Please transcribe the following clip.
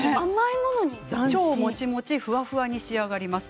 超もちもち、ふわふわに仕上がります。